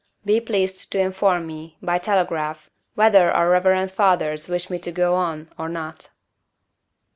Be pleased to inform me, by telegraph, whether our Reverend Fathers wish me to go on, or not.